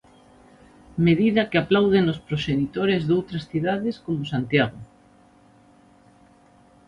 Medida que aplauden os proxenitores doutras cidades como Santiago.